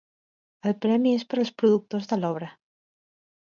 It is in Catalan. El premi és per als productors de l'obra.